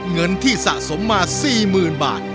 เงินที่สะสมมาสี่หมื่นบาท